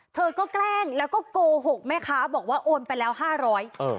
เธอก็แกล้งแล้วก็โกหกแม่ค้าบอกว่าโอนไปแล้วห้าร้อยเออ